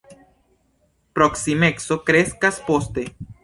Proksimeco kreskas poste.